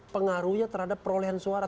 pengaruhnya terhadap perolehan suara